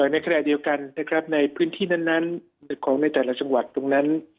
ในขณะเดียวกันนะครับในพื้นที่นั้นของในแต่ละจังหวัดตรงนั้น